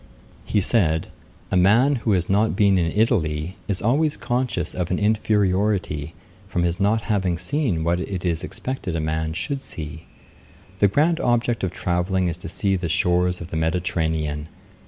He said, 'A man who has not been in Italy, is always conscious of an inferiority, from his not having seen what it is expected a man should see. The grand object of travelling is to see the shores of the Mediterranean.